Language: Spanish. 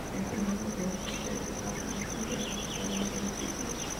En ese mismo evento, derrotaron a los campeones, ganando los títulos.